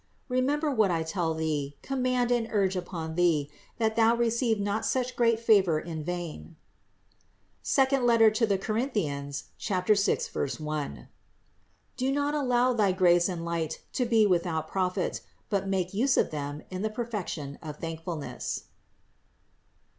Remember what I tell thee, command and urge upon thee, that thou re ceive not such great favor in vain (II Cor. 6, 1) ; do not allow thy grace and light to be without profit, but make use of them in the perfection of thankfulness.